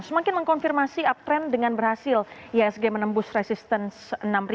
semakin mengkonfirmasi uptrend dengan berhasil ihsg menembus resistance enam